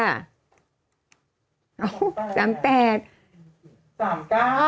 อ้าว๓๘